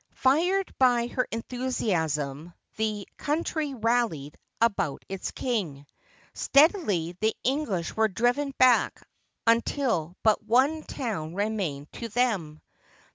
Fired by her enthusiasm the coun try rallied about its king. Steadily the English were driven back until but one town remained to them.